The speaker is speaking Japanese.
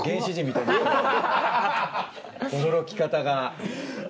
驚き方が。